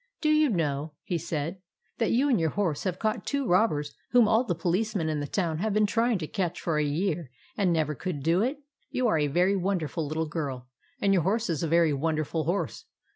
" Do you know," he said, " that you and your horse have caught two robbers whom all the policemen in the town have been trying to catch for a year, and never could do it? You are a very won derful little girl ; and your horse is a very wonderful horse.